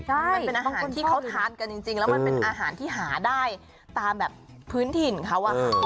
มันเป็นอาหารที่เขาทานกันจริงแล้วมันเป็นอาหารที่หาได้ตามแบบพื้นถิ่นเขาอะค่ะ